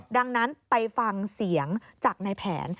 ดังนั้นไปฟังเสียงจากในแผน